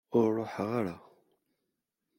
Ur ruḥeɣ ara.